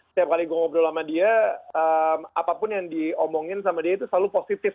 setiap kali gue ngobrol sama dia apapun yang diomongin sama dia itu selalu positif